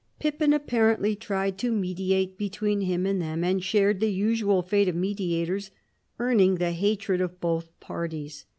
Pippin apparently tried to mediate between him and them, and shared the usual fate of mediators, earning the hatred of both parties.